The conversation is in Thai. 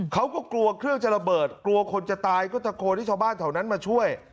เขาก็กลัวเครื่องจะระเบิดกลัวคนจะตายก็ตะโกนให้ชาวบ้านแถวนั้นมาช่วย